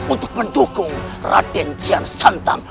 untuk mendukung raden kian santam